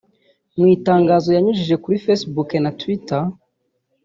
Mu itangazo yanyujije kuri Facebook na Twitter